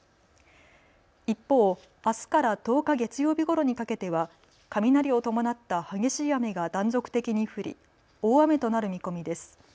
一方、あすから１０日、月曜日ごろにかけては雷を伴った激しい雨が断続的に降り大雨となる見込みです。